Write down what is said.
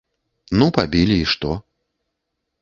Ну пабілі, і што?